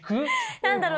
何だろう？